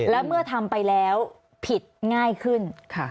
และเมื่อทำไปแล้วผิดง่ายขึ้น